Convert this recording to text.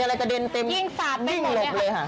ยิงอะไรกระเด็นเต็มยิงหลบเลยค่ะ